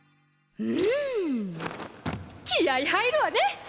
うん気合入るわね！